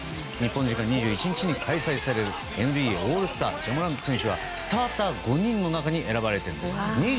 日本時間２１日に開催されるＮＢＡオールスタージャ・モラント選手はスターター５人の中に選ばれているんです。